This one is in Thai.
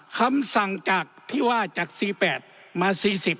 คำสั่งจากที่ว่าจาก๔๘มา๔๐